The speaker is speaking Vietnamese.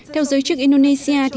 theo giới chức indonesia